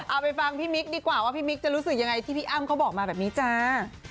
เอาไปฟังพี่มิ๊กดีกว่าว่าพี่มิ๊กจะรู้สึกยังไงที่พี่อ้ำเขาบอกมาแบบนี้จ้า